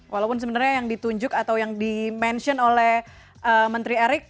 walaupun sebenarnya yang ditunjuk atau yang dimention oleh menteri erick